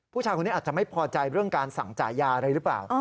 ผู้ชายคนนี้อาจจะไม่พอใจเรื่องการสั่งจ่ายยาอะไรหรือเปล่า